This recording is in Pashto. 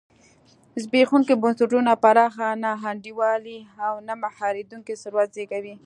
زبېښونکي بنسټونه پراخه نا انډولي او نه مهارېدونکی ثروت زېږوي.